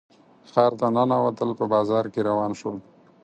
ښار ته ننوتل په بازار کې روان شول.